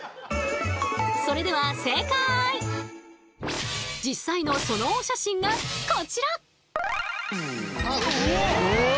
それでは実際のそのお写真がこちら！